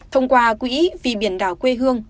thông qua quỹ vì biển đảo quê hương